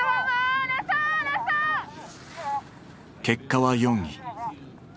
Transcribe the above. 結果は４位。